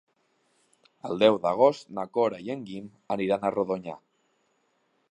El deu d'agost na Cora i en Guim aniran a Rodonyà.